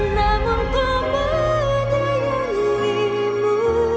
namun ku menyayangimu